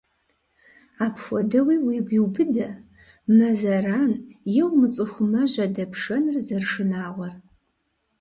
Апхуэдэуи уигу иубыдэ, мэ зэран е умыцӀыху мэ жьэдэпшэныр зэрышынагъуэр.